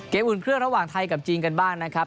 อุ่นเครื่องระหว่างไทยกับจีนกันบ้างนะครับ